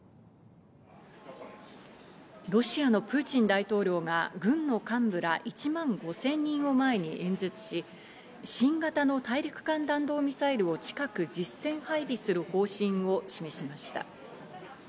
ロシアのプーチン大統領が軍の幹部ら１万５０００人を前に演説し、新型の大陸間弾道ミサイルを近く、実戦配備する方針を示しました。